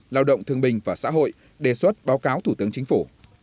lao động thương bình và xã hội đề xuất báo cáo thủ tướng chính phủ